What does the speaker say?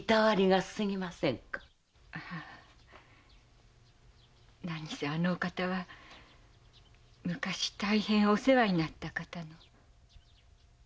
はあ何せあのお方は昔大変お世話になった方の。